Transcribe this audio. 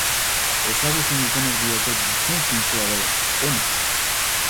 Ezagutzen dutenek diote gizon zintzoa dela, ona.